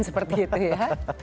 seperti itu ya